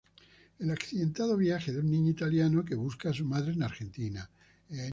El accidentado viaje de un niño italiano que busca a su madre en Argentina.